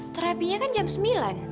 terapinya kan jam sembilan